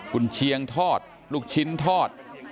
คุณเชียงทอดลูกชิ้นทอด